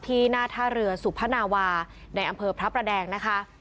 หน้าท่าเรือสุพนาวาในอำเภอพระประแดงนะคะ